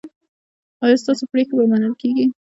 ایا ستاسو پریکړې به منل کیږي؟